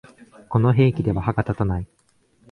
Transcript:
この兵器では歯が立たない